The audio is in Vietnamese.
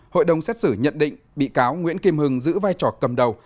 hội đồng xét xử nhận định bị cáo nguyễn kim hưng giữ vai trò cầm đầu